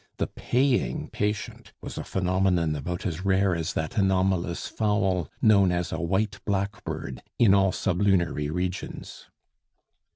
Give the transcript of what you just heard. The paying patient was a phenomenon about as rare as that anomalous fowl known as a "white blackbird" in all sublunary regions.